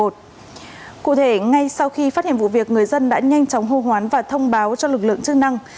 cụ thể ngay sau khi phát hiện vụ việc người dân đã nhanh chóng hô hoán và thông báo cho lực lượng chức năng